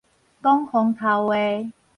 講風頭話